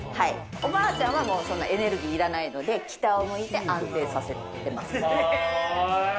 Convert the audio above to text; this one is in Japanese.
おばあちゃんはそんなにエネルギー要らないので、北を向いて安定させています。